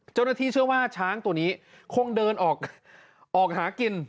เจ้าหน้าที่เชื่อว่าช้างตัวนี้คงเดินออกหากิน